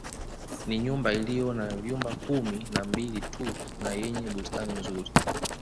Ni nyumba iliyo na vyumba kumi na Mbili tu na yenye bustani nzuri